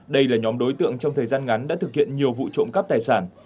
đây là nhóm đối tượng trong thời gian ngắn đã thực hiện nhiều vụ trộm cắp tài sản